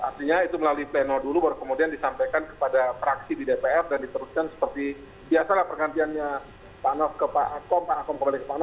artinya itu melalui pleno dulu baru kemudian disampaikan kepada praksi di dpr dan diteruskan seperti biasalah pergantiannya pak nof ke pak akom pak akom kembali kemana